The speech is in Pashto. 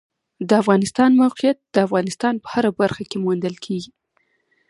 د افغانستان د موقعیت د افغانستان په هره برخه کې موندل کېږي.